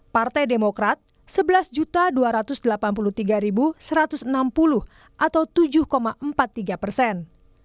partai demokrat sebelas dua ratus delapan puluh tiga satu ratus enam puluh atau tujuh empat puluh tiga persen